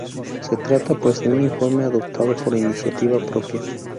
Se trata, pues, de un informe adoptado por iniciativa propia.